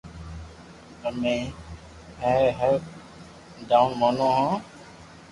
امي ائري ھر واتو مونو ھون